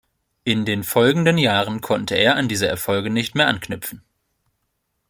In den folgenden Jahren konnte er an diese Erfolge nicht mehr anknüpfen.